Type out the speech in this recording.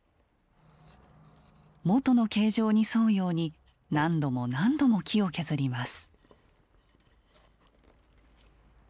元の形状に沿うように何度も何度も木を削ります。